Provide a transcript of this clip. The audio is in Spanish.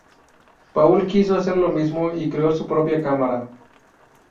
Paul quiso hacer lo mismo y creó su propia cámara.